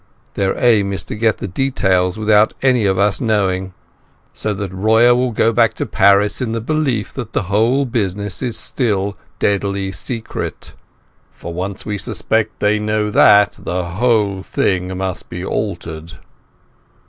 Their aim is to get the details without any one of us knowing, so that Royer will go back to Paris in the belief that the whole business is still deadly secret. If they can't do that they fail, for, once we suspect, they know that the whole thing must be altered."